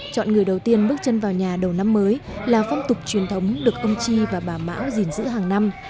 chọn người đầu tiên bước chân vào nhà đầu năm mới là phong tục truyền thống được ông chi và bà mão gìn giữ hàng năm